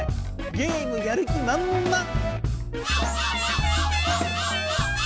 ゲームやる気まんまん。